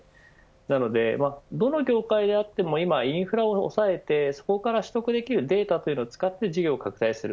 なので、どの業界であっても今、インフラを押さえてそこから取得できるデータを使って事業を拡大する。